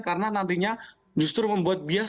karena nantinya justru membuat bias